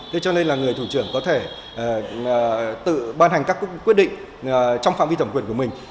thế cho nên là người thủ trưởng có thể tự ban hành các quyết định trong phạm vi thẩm quyền của mình